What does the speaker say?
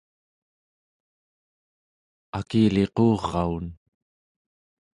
akiliquraun